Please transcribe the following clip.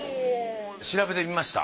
調べてみました？